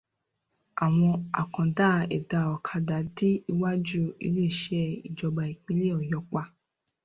Àwọn àkàndá ẹ̀dá ọ̀kadà dí iwájú iléeṣẹ́ ìjọba ìpínlẹ̀ Ọ̀yọ́ pa.